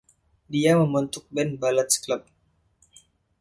Dia membentuk band "Ballads Club".